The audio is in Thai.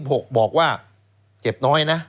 บอกว่าเจ็บน้อยนะ